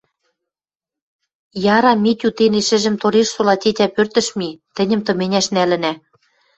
Яра, Митю, тене шӹжӹм Торешсола тетя пӧртӹш ми; тӹньӹм тыменяш нӓлӹнӓ.